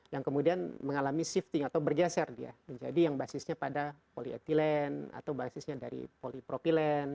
yang kemudian mengalami shifting atau bergeser dia menjadi yang basisnya pada polyethylene atau basisnya dari polypropilen